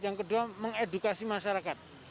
yang kedua mengedukasi masyarakat